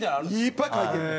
いっぱい書いてるの。